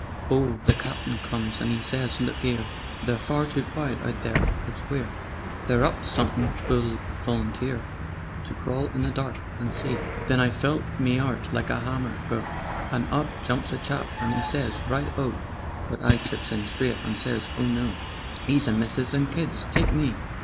"Oh, the Captain comes and 'e says: 'Look 'ere! They're far too quiet out there: it's queer. They're up to somethin' 'oo'll volunteer To crawl in the dark and see?' Then I felt me 'eart like a 'ammer go, And up jumps a chap and 'e says: 'Right O!' But I chips in straight, and I says 'Oh no! 'E's a missis and kids take me.'